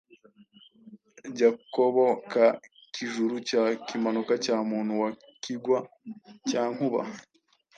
ya Kobo ka Kijuru cya Kimanuka cya Muntu wa Kigwa cya Nkuba,